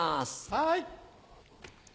はい。